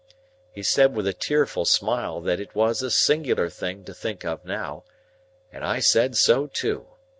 He said with a tearful smile that it was a singular thing to think of now, and I said so too.